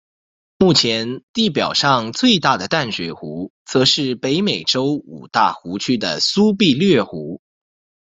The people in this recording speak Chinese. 目前地表上最大的淡水湖则是北美洲五大湖区的苏必略湖。